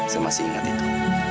saya masih ingat itu